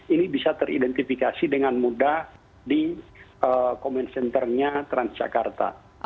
ini bisa teridentifikasi dengan mudah di komensenternya transakarta